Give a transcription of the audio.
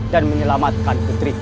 dan menyelamatkan putriku